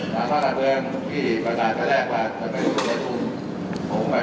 ส่วนสถานการณ์เมืองที่อีกกว่านานจะแลกกว่าจะเป็นธุรกิจภูมิใบหน้าของบุคคลศัพท์ไปเข้าใจ